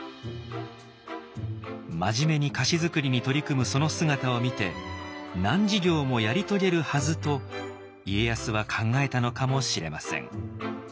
真面目に菓子づくりに取り組むその姿を見て難事業もやり遂げるはずと家康は考えたのかもしれません。